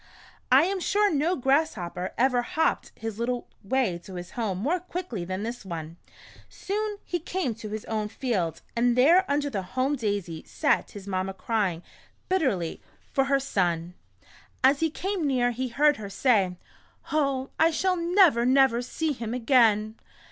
I am sure no grasshopper ever hopped his little way to his home more quickly than this one. Soon he came to his own field, and there under the home daisy sat his mamma crying bitterly for her 132 A Grasshopper's Trip to the City. son. As he came near he heard her say :" Oh, I shall never, never see him again."